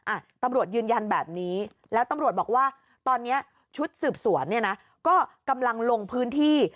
อ่ะตำรวจยืนยันแบบนี้แล้วตำรวจบอกว่าตอนนี้ชุดสืบสวนเนี่ยนะก็กำลังลงพื้นที่